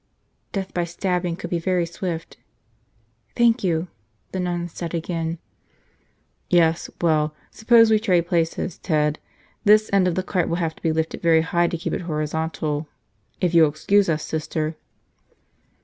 Death by stabbing could be very swift. "Thank you," the nun said again. "Yes. Well. Suppose we trade places, Ted. This end of the cart will have to be lifted very high to keep it horizontal. If you'll excuse us, Sister."